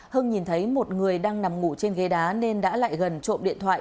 hưng nhìn thấy một người đang nằm ngủ trên ghế đá nên đã lại gần trộm điện thoại